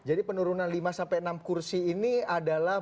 jadi penurunan lima enam kursi ini adalah